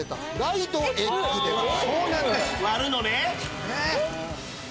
割るのね！